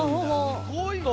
すごいよ。